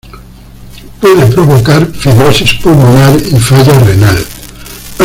Puede provocar fibrosis pulmonar y falla renal.